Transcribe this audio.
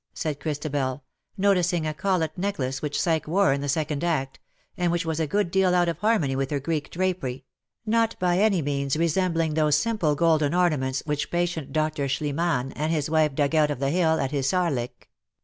^^ said Christabel, noticing a collet necklace which Psyche wore in the second act, and which was a good deal out of harmony with her Greek drapery — ^not by any means resembling those simple golden ornaments which patient Dr. Schliemann and his wife dug out of the hill at Hissarlik.